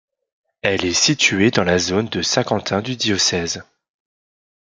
Elle est située dans la zone de Saint-Quentin du diocèse.